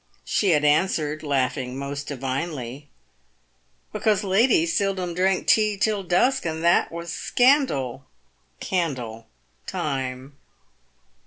She had answered, laughing most divinely, " Because ladies seldom drank tea till dusk, and that was scandal (candle) time.'